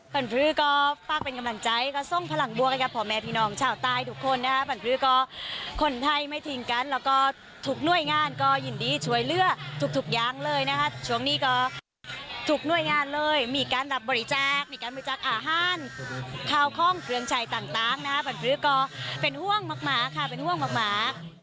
เกือบใจต่างนะครับหรือก็เป็นห่วงมากค่ะ